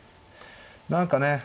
何かね